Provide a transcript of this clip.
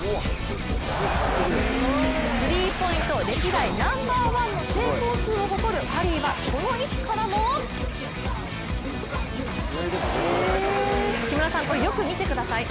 スリーポイント歴代ナンバーワンの成功数を誇るカリーはこの位置からも木村さん、これよく見てください。